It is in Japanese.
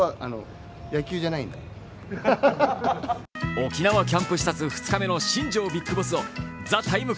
沖縄キャンプ視察２日目の新庄ビッグボスを「ＴＨＥＴＩＭＥ，」